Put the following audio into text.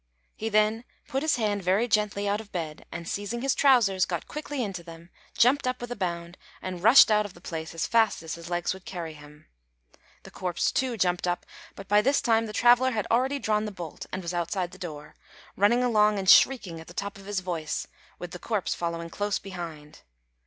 He then put his hand very gently out of bed, and, seizing his trousers, got quickly into them, jumped up with a bound, and rushed out of the place as fast as his legs would carry him. The corpse, too, jumped up; but by this time the traveller had already drawn the bolt, and was outside the door, running along and shrieking at the top of his voice, with the corpse following close behind.